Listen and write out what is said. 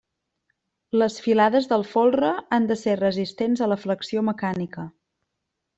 Les filades del folre han de ser resistents a la flexió mecànica.